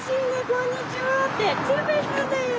こんにちはって鶴瓶さんだよ。